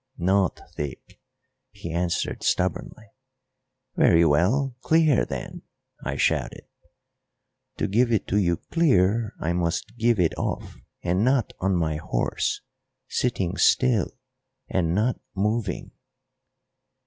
"Not thick," he answered stubbornly. "Very well; clear then," I shouted. "To give it to you clear I must give it off and not on my horse, sitting still and not moving."